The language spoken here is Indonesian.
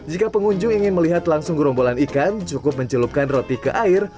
jika pengunjung ingin melihat langsung gerombolan ikan cukup mencelupkan roti ke air